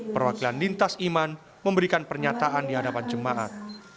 perwakilan lintas iman memberikan pernyataan di hadapan jemaat